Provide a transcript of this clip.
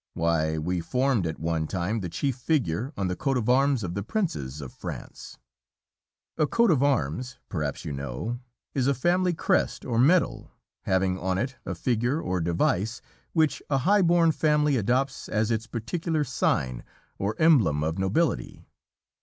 Why, we formed at one time the chief figure on the coat of arms of the princes of France. A coat of arms, perhaps you know, is a family crest or medal, having on it a figure or device which a high born family adopts as its particular sign or emblem of nobility.